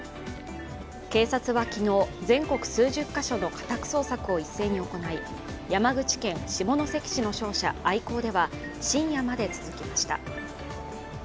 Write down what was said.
警察は昨日、全国数十か所の家宅捜索を一斉に行い山口県下関市の商社、アイコーでは深夜まで続きました。